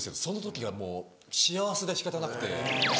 その時がもう幸せで仕方なくて。